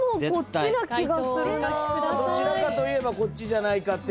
どちらかといえばこっちじゃないかって。